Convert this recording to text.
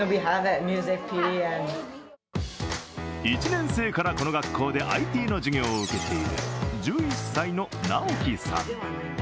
１年生からこの学校でＩＴの授業を受けている１１歳の直樹さん。